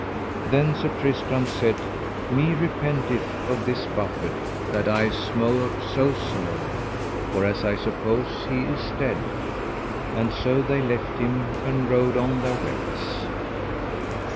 Then Sir Tristram said: Me repenteth of this buffet that I smote so sore, for as I suppose he is dead. And so they left him and rode on their ways.